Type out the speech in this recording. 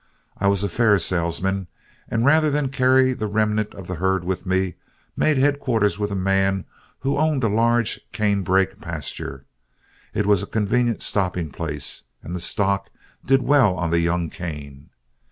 I was a fair salesman, and rather than carry the remnant of the herd with me, made headquarters with a man who owned a large cane brake pasture. It was a convenient stopping place, and the stock did well on the young cane.